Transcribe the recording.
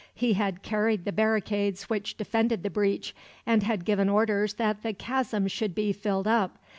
He had carried the barricades which defended the breach, and had given orders that the chasm should be filled up.